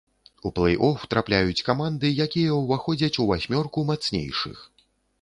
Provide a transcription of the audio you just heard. У плэй-оф трапляюць каманды, якія ўваходзяць у васьмёрку мацнейшых.